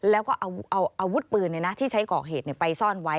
แล้วก็เอาอาวุธปืนที่ใช้ก่อเหตุไปซ่อนไว้